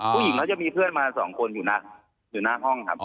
ผู้หญิงก็จะมีเพื่อนมา๒คนอยู่หน้าห้องครับ